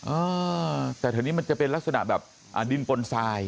อ้าวแต่ทีนี้มันจะเป็นลักษณะแบบดินปนทราย